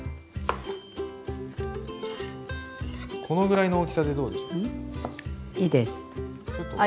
このぐらいの大きさでどうでしょう？